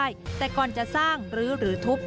สามารถทำได้แต่ก่อนจะสร้างรื้อหรือทุบ